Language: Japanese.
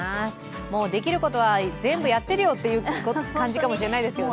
もうできることは全部やってるよという感じかもしれないですけどね。